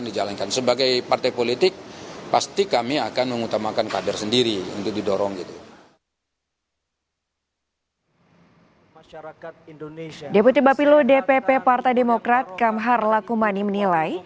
deputi bapilo dpp partai demokrat kamhar lakumani menilai